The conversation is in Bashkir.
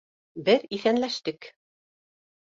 Беҙ иҫәнләштек.